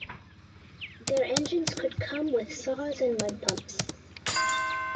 Their engines could come with saws and mud pumps.